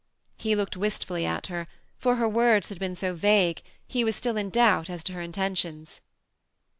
He looked wistfully at her, for her words had been so vague, he was still in doubt as to her intentions.